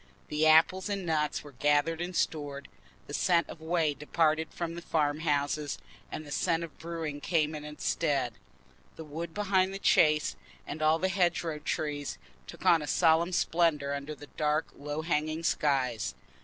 The apples and nuts were gathered and stored; the scent of whey departed from the farm houses, and the scent of brewing came in its stead. The woods behind the Chase, and all the hedgerow trees, took on a solemn splendour under the dark low hanging skies.